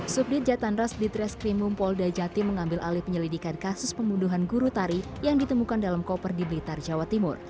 subdit jatanras di treskrimum polda jati mengambil alih penyelidikan kasus pembunuhan guru tari yang ditemukan dalam koper di blitar jawa timur